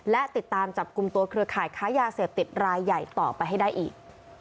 และติดตามจับกลุ่มตัวเครือข่ายค้ายาเสพติดรายใหญ่ต่อไปให้ได้อีก